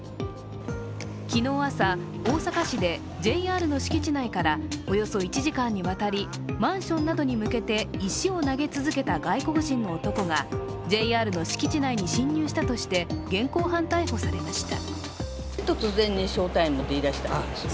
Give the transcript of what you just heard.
昨日朝、大阪市でＪＲの敷地内からおよそ１時間にわたりマンションなどに向けて石を投げ続けた外国人の男がＪＲの敷地内に侵入したとして現行犯逮捕されました。